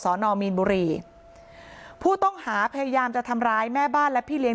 นอมีนบุรีผู้ต้องหาพยายามจะทำร้ายแม่บ้านและพี่เลี้ย